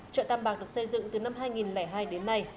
chợ tam bạc được xây dựng từ năm hai nghìn hai đến nay